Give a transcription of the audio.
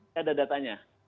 tidak ada datanya